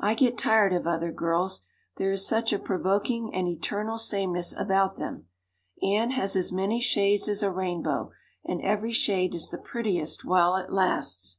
"I get tired of other girls there is such a provoking and eternal sameness about them. Anne has as many shades as a rainbow and every shade is the prettiest while it lasts.